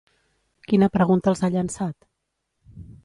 Quina pregunta els ha llençat?